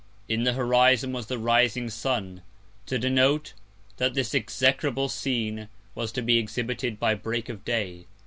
In the Horizon was the rising Sun, to denote, that this execrable Scene was to be exhibited by Break of Day.